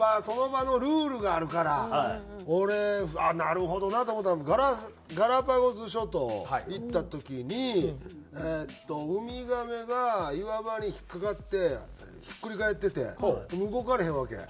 俺なるほどなと思ったのがガラパゴス諸島行った時にウミガメが岩場に引っかかってひっくり返ってて動かれへんわけや。